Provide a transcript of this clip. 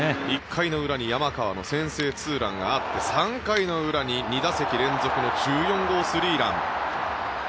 １回の裏に山川の先制ツーランがあって３回の裏に２打席連続の１４号スリーラン。